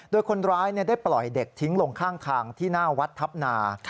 โดยคนร้ายได้ปล่อยเด็กทิ้งลงข้างทางที่หน้าวัดทัพนา